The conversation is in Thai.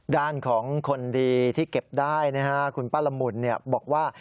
ด้านของคนดีที่เก็บได้นะฮะคุณป้าละมุนบอกว่า